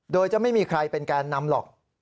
โดยจะไม่มีใครเป็นแกนนำหรอก